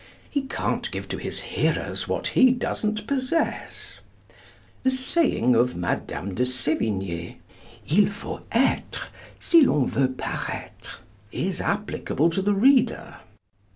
He can't give to his hearers what he doesn't possess. The saying of Madame de Sévigné, 'Il faut être, si l'on veut paraître,' is applicable to the reader.